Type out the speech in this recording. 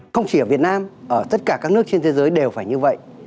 không chỉ ở việt nam ở tất cả các nước trên thế giới đều phải như vậy